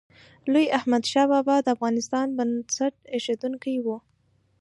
لوی احمدشاه بابا د افغانستان بنسټ ایښودونکی و.